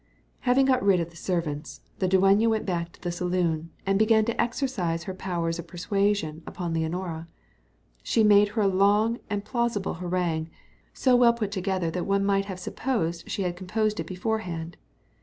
Having got rid of the servants, the dueña went back to the saloon, and began to exercise her powers of persuasion upon Leonora. She made her a long and plausible harangue, so well put together that one might have supposed she had composed it beforehand.